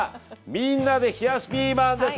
みんなで冷やしピーマンです。